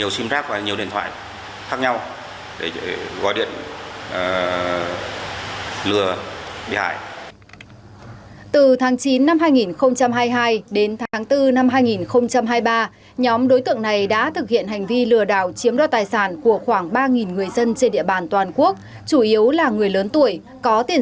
sử dụng sim card nhiều sim card và nhiều điện thoại khác nhau để gọi điện